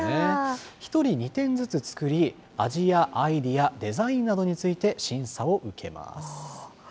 １人２点ずつ作り、味やアイデア、デザインなどについて審査を受けます。